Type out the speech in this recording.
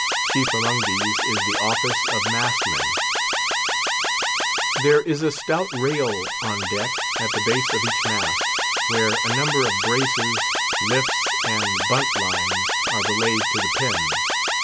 Chief among these is the office of mast man. There is a stout rail on deck, at the base of each mast, where a number of braces, lifts, and buntlines are belayed to the pins.